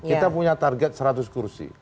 kita punya target seratus kursi